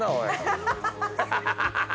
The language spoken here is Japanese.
ハハハハ！